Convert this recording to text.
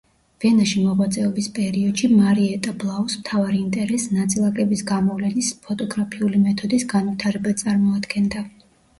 ვენაში მოღვაწეობის პერიოდში, მარიეტა ბლაუს მთავარ ინტერესს, ნაწილაკების გამოვლენის ფოტოგრაფიული მეთოდის განვითარება წარმოადგენდა.